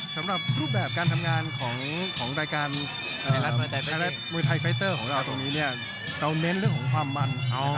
สำหรับหุ้มตแข็งในรภาพลทรีย์ไทยไฟต์เตอร์เราเน้นความมัน